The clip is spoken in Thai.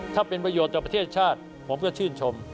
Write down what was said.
ถ้าเป็นประโยชน์ต่อประเทศชาติผมก็ชื่นชม